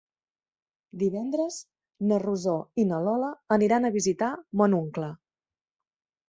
Divendres na Rosó i na Lola aniran a visitar mon oncle.